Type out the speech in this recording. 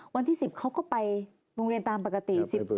วันที่๑๐เขาก็ไปโรงเรียนตามปกติ